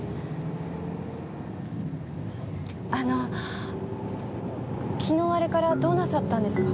あの昨日あれからどうなさったんですか？